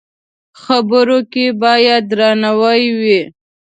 خبرو کې باید درناوی وي